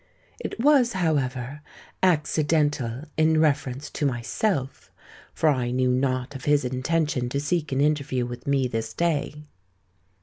It was, however, accidental in reference to myself—for I knew not of his intention to seek an interview with me this day."